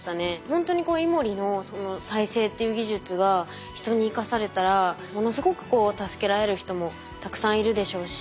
ほんとにイモリの再生っていう技術が人に生かされたらものすごく助けられる人もたくさんいるでしょうし。